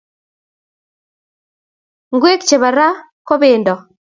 Ngwek chepo ra ko pendo